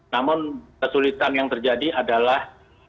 namun kesulitan yang terjadi adalah